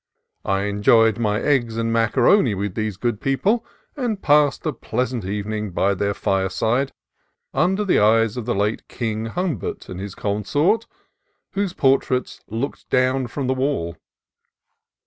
I enjoyed my eggs and macaroni with these good people, and passed a pleasant evening by their fireside under the eyes of the late King Humbert and his consort, whose portraits looked down from the wall.